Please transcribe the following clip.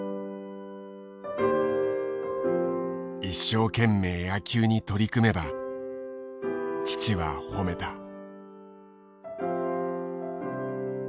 一生懸命野球に取り組めば父は褒めた。